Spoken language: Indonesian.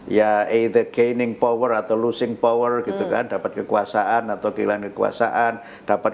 ya ay the gaining power atau locing power gitu kan dapat kekuasaan atau kehilangan kekuasaan dapat